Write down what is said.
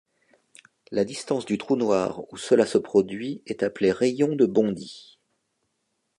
La distance du trou noir où cela se produit est appelée rayon de Bondi.